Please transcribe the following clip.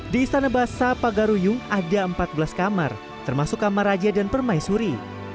di istana basah pagaruyung ada empat belas kamar termasuk kamar raja dan permaisuri